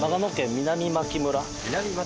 南牧村。